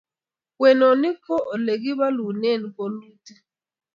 ng'wenonik ko ole kibolunen bolutik